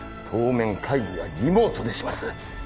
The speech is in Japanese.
当面会議はリモートにします。